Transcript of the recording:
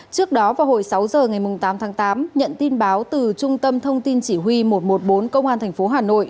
trước đó vào hồi sáu giờ ngày tám tháng tám nhận tin báo từ trung tâm thông tin chỉ huy một trăm một mươi bốn công an tp hà nội